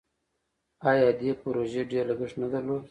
آیا دې پروژې ډیر لګښت نه درلود؟